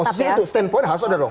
posisi itu stand point harus ada dong